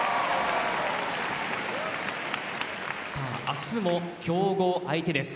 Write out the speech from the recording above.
明日も強豪相手です。